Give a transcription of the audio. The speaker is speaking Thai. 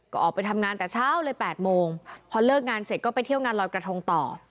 ก็ออกไปทำงานแต่เช้าเลย๘โมงพอเลิกงานเสร็จก็ไปเที่ยวงานลอยกระทงต่อ